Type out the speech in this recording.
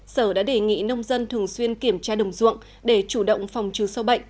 sở đã đề nghị nông dân thường xuyên kiểm tra đồng ruộng để chủ động phòng trừ sâu bệnh